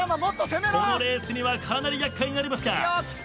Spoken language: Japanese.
このレースにはかなりやっかいになりますが。